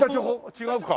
違うか。